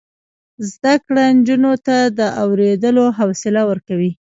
زده کړه نجونو ته د اوریدلو حوصله ورکوي.